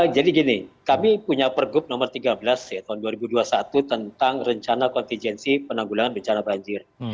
jadi gini kami punya pergub nomor tiga belas tahun dua ribu dua puluh satu tentang rencana kontingensi penanggulangan bencana banjir